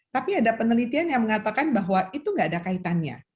tapi ada penelitian yang mengatakan bahwa itu gak ada kaitannya